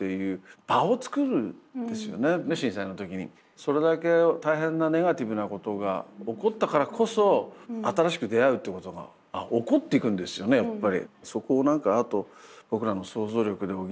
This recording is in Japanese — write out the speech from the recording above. それだけ大変なネガティブなことが起こったからこそ新しく出会うってことが起こっていくんですよねやっぱり。